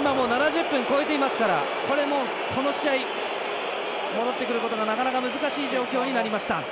今、７０分超えていますからこの試合、戻ってくることがなかなか難しい状況になりました。